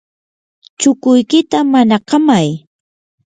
chukuykita manakamay.